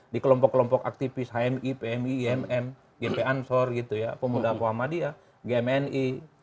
di kelompok kelompok aktivis hmi pmi imm gmp ansor pemuda kuah madia gmni